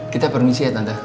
kita permisi ya tante